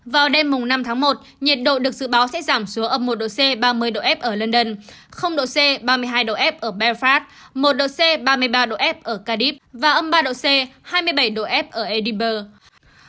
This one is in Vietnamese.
vào đêm năm tháng một nhiệt độ được dự báo sẽ giảm xuống âm một độ c ba mươi độ f ở london độ c ba mươi hai độ f ở belard một độ c ba mươi ba độ f ở calip và âm ba độ c hai mươi bảy độ f ở elibur